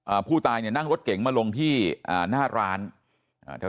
ผู้ตายเนี่ยนั่งรถเก๋งมาลงที่อ่าหน้าร้านอ่าแถว